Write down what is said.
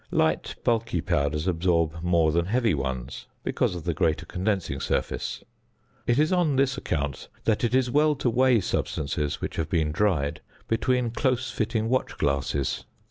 Light bulky powders absorb more than heavy ones, because of the greater condensing surface. It is on this account that it is well to weigh substances, which have been dried, between close fitting watch glasses.